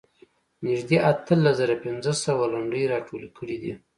نږدې اتلس زره پنځه سوه لنډۍ راټولې کړې دي.